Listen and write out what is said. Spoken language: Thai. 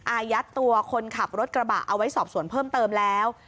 อายัดตัวคนขับรถกระบะเอาไว้สอบสวนเพิ่มเติมแล้ว